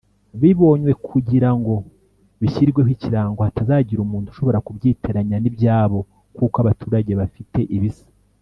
Bibonywe kugira ngo bishyirweho Ikirango hatazagira umuntu ushobora kubyitiranya ni byabo kuko abaturage bafite ibisa